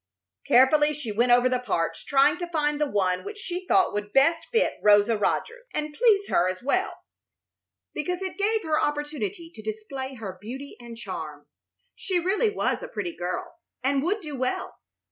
Carefully she went over the parts, trying to find the one which she thought would best fit Rosa Rogers, and please her as well, because it gave her opportunity to display her beauty and charm. She really was a pretty girl, and would do well.